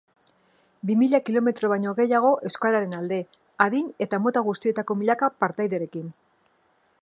Bi mila kilometro baino gehiago euskararen alde, adin eta mota guztietako milaka partaiderekin.